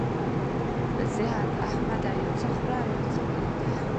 نصيحت: احمده! یو څه خوره او يو څه پرېږده.